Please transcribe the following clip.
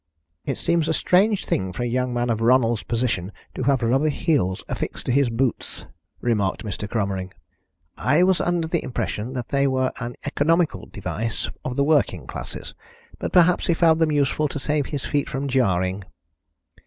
"It seems a strange thing for a young man of Ronald's position to have rubber heels affixed to his boots," remarked Mr. Cromering. "I was under the impression that they were an economical device of the working classes. But perhaps he found them useful to save his feet from jarring."